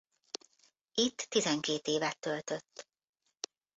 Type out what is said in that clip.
Itt tizenkét évet töltött.